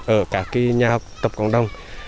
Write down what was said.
ở cả cái nhà học tộc cộng đồng